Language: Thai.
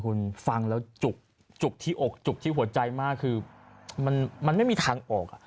คุณฟังแล้วจุกจุกที่อกจุกที่หัวใจมากคือมันไม่มีทางออก